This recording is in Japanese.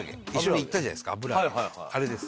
あれです。